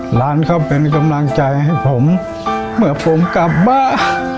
หลานเขาเป็นกำลังใจให้ผมเมื่อผมกลับบ้าน